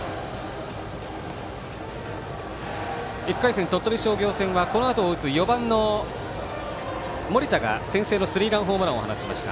１回戦、鳥取商業戦はこのあとを打つ４番の森田が先制のスリーランホームランを放ちました。